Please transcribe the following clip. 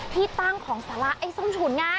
ที่ตั้งของสาระไอ้ส้มฉุนไง